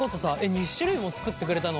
２種類も作ってくれたの？